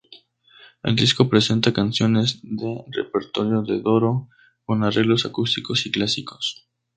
El disco presenta canciones del repertorio de Doro con arreglos acústicos y clásicos.